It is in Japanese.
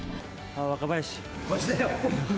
若林。